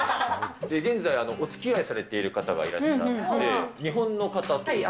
現在、おつきあいされている方がいらっしゃって。